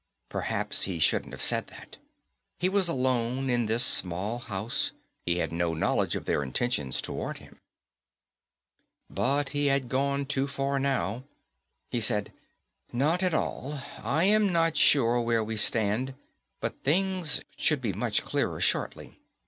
Perhaps he shouldn't have said that. He was alone in this small house; he had no knowledge of their intentions toward him. But he had gone too far now. He said, "Not at all. I am not sure of where we stand, but things should be much clearer, shortly.